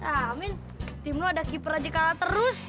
amin tim lu ada keeper aja kalah terus